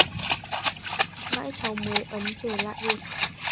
mãu cháu mới ấm trở lại được